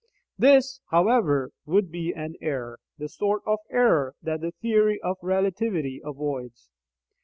This, however, would be an error the sort of error that the theory of relativity avoids.